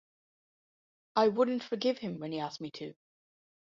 I wouldn’t forgive him when he asked me to.